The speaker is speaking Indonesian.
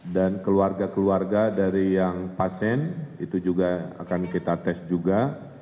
dan keluarga keluarga dari yang pasien itu juga akan kita tes juga